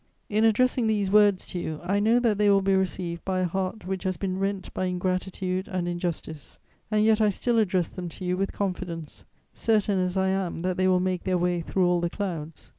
In addressing these words to you, I know that they will be received by a heart which has been rent by ingratitude and injustice; and yet I still address them to you with confidence, certain as I am that they will make their way through all the clouds.